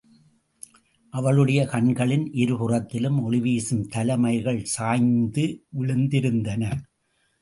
அவளுடைய கண்களின் இருபுறத்திலும் ஒளிவீசும் தலைமயிர்கள் சாய்ந்து விழுந்திருந்தன.